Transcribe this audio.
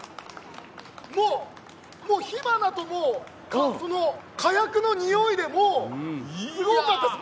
もうもう、火花と火薬のにおいですごかったです！